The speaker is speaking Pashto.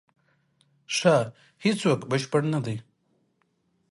ښه، هیڅوک بشپړ نه دی.